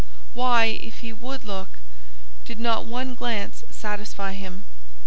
Why, if he would look, did not one glance satisfy him?